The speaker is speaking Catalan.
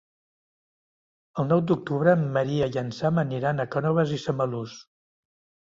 El nou d'octubre en Maria i en Sam aniran a Cànoves i Samalús.